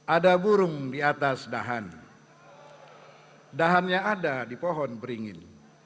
ada burung di atas dahan dahannya ada di pohon beringin